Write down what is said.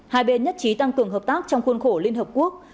hai bên nhất trí tăng cường hợp tác trong khuôn khổ liên hợp quốc